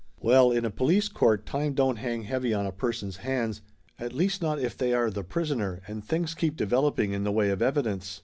Well, in a police court time don't hang heavy on a person's hands, at least not if they are the prisoner and things keep developing in the way of evidence.